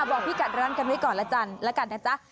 บอกพี่กัดร้านกันไว้ก่อนละกันแล้วกันนะจ๊ะ